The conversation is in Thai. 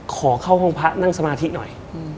ขอเข้าห้องพระนั่งสมาธิหน่อย